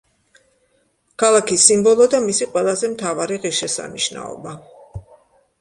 ქალაქის სიმბოლო და მისი ყველაზე მთავარი ღირსშესანიშნაობა.